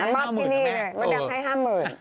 มาให้ห้ามหมื่น